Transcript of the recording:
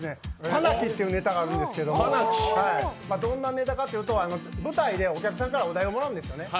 パナキというネタがあるんですけど、どんなネタかというと、舞台でお客さんからお題をもらうんですね。